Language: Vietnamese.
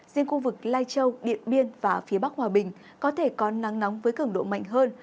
riêng khu vực lai châu điện biên và phía bắc hòa bình có thể có nắng nóng với cứng độ mạnh hơn